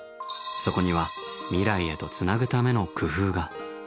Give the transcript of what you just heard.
そこには未来へとつなぐための工夫が。